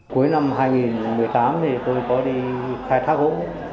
cuối năm hai nghìn một mươi tám thì tôi có đi khai thác gỗ